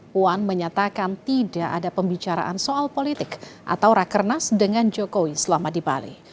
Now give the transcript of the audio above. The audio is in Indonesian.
puan menyatakan tidak ada pembicaraan soal politik atau rakernas dengan jokowi selama di bali